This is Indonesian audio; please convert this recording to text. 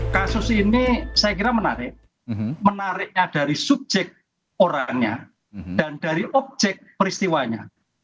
kasus ini saya kira menarik menariknya dari subjek orangnya dan dari objek peristiwanya